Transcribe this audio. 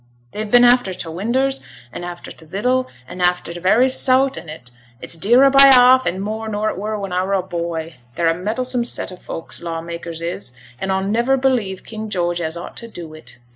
They've been after t' winders, and after t' vittle, and after t' very saut to 't; it's dearer by hauf an' more nor it were when a were a boy: they're a meddlesome set o' folks, law makers is, an' a'll niver believe King George has ought t' do wi' 't.